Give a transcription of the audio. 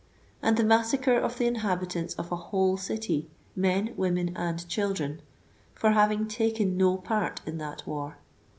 and the massacre of the inhabitants of a whole city, men, women and children, for having taken no part in that war.